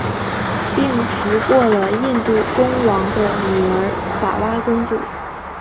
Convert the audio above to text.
并且俘获了印度公王的女儿法拉公主。